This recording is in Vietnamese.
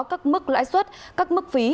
các mức lãi suất các mức phí